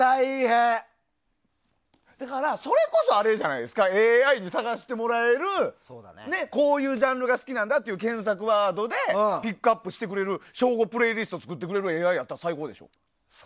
だから、それこそＡＩに探してもらえるこういうジャンルが好きなんだという検索ワードでピックアップしてくれる省吾プレイリストを作ってくれるＡＩやったら最高でしょ？